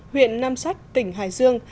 huyện nam sách tỉnh hải dương